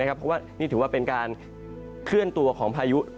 เพราะว่านี่ถือว่าเป็นการเคลื่อนตัวของพายุ